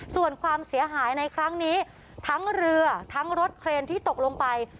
ส่วนความเสียหายในครั้งนี้ทั้งเรือทั้งรถเครนที่ตกลงไป